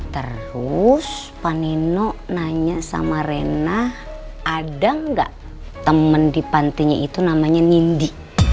terus pak nino nanya sama rena ada nggak temen di pantinya itu namanya nindi